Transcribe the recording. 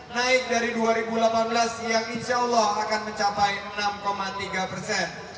naik dari dua ribu delapan belas yang insya allah akan mencapai enam tiga persen